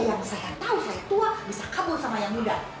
saya yang tau saya tua bisa kamu sama yang muda